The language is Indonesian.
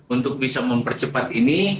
untuk bisa mempercepat ini